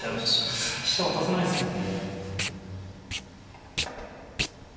飛車渡せないですもんね。